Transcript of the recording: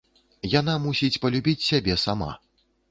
Яна мусіць палюбіць сябе сама.